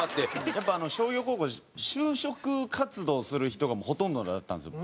やっぱ商業高校就職活動する人がほとんどだったんですよ